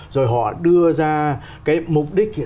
rồi họ đưa ra cái mục đích